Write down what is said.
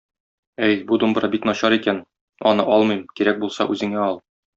Әй, бу думбра бик начар икән, аны алмыйм, кирәк булса үзеңә ал!